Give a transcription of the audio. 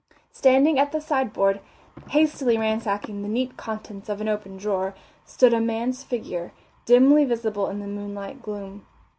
Standing at the sideboard, hastily ransacking the neat contents of an open drawer, stood a man's figure, dimly visible in the moonlight gloom.